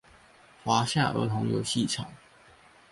華夏兒童遊戲場